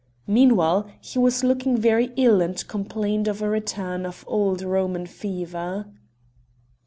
Meanwhile, he was looking very ill and complained of a return of old Roman fever.